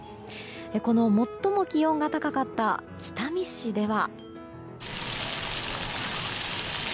この最も気温が高かった北見市では。